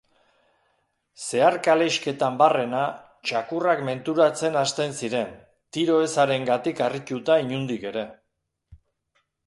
Zehar-kalexketan barrena, txakurrak menturatzen hasten ziren, tiro ezarengatik harrituta inondik ere.